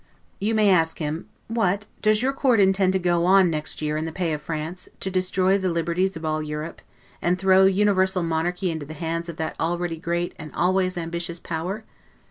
You may ask him, What, does your Court intend to go on next year in the pay of France, to destroy the liberties of all Europe, and throw universal monarchy into the hands of that already great and always ambitious Power?